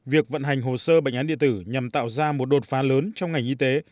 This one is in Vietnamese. việc vận hành hồ sơ bệnh án điện tử nhằm tạo ra một đột phá lớn trong ngành y tế